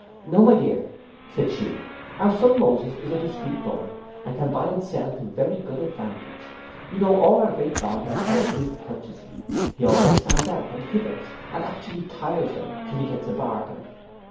'No, my dear,' said she, 'our son Moses is a discreet boy, and can buy and sell to very good advantage; you know all our great bargains are of his purchasing. He always stands out and higgles, and actually tires them till he gets a bargain.